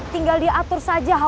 hanya itu yang harus diatur